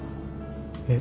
えっ？